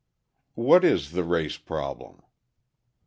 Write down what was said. _What Is the Race Problem?